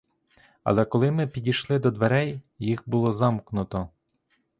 Але, коли ми підійшли до дверей, їх було замкнуто.